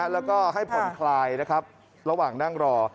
แล้วก็ให้ผ่อนคลายนะครับระหว่างนั่งรอ